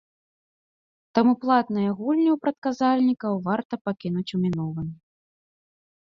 Таму платныя гульні ў прадказальнікаў варта пакінуць у мінулым.